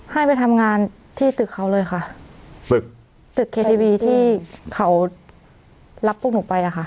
ให้ไปทำงานที่ตึกเขาเลยค่ะตึกตึกเคทีวีที่เขารับพวกหนูไปอ่ะค่ะ